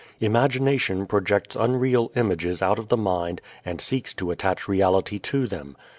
Imagination projects unreal images out of the mind and seeks to attach reality to them.